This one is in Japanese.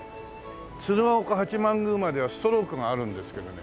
鶴岡八幡宮まではストロークがあるんですけどね。